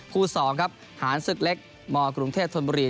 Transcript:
คู่สองครับหานสึกเล็กมกรุงเทพธนบรี